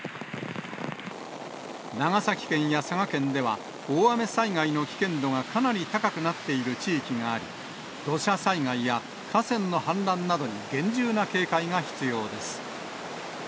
長崎県や佐賀県では、大雨災害の危険度がかなり高くなっている地域があり、土砂災害や河川の氾濫などに厳重な警戒が必要です。